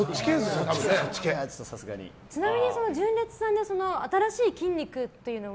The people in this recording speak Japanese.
ちなみに純烈さん新しい筋肉っていうのは。